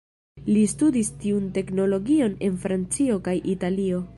Li studis tiun teknologion en Francio kaj Italio.